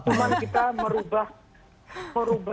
cuman kita merubah timing aja